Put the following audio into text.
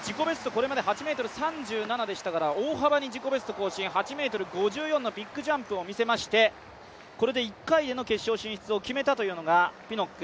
これまで８ｍ３７でしたから、大幅に自己ベスト更新、ビッグジャンプを見せまして、これで１回での決勝進出を決めたというのが、ピノック。